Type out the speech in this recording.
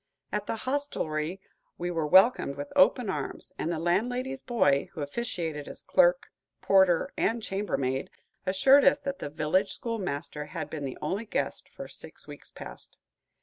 At the hostlery we were welcomed with open arms, and the landlady's boy, who officiated as clerk, porter, and chambermaid, assured us that the village schoolmaster had been the only guest for six weeks past.